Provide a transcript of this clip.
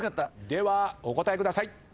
ではお答えください。